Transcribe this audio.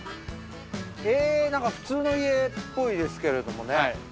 えぇなんか普通の家っぽいですけれどもね。